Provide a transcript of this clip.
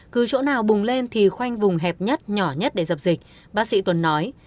cứ chỗ nào bùng lên thì khoanh vùng hẹp nhất nhỏ nhất để dập dịch bác sĩ tuấn nói